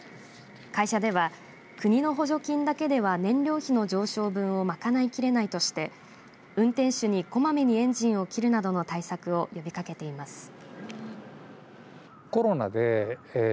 会社では、国の補助金だけでは燃料費の上昇分をまかないきれないとして運転時にこまめにエンジンを切るなどの対策を呼びかけています。